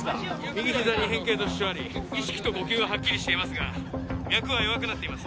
右膝に変形と腫脹あり意識と呼吸ははっきりしていますが脈は弱くなっています